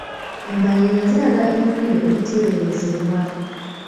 Embalirira ziraga emiwendo egiteeberezebwa.